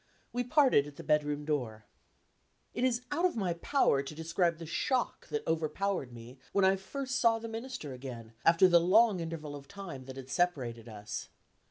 We parted at the bedroom door. It is out of my power to describe the shock that overpowered me when I first saw the Minister again, after the long interval of time that had separated us.